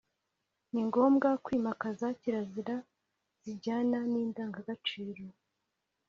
ni ngombwa kwimakaza kirazira zijyana n’indangagaciro